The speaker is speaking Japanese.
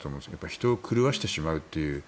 人を狂わせてしまうという。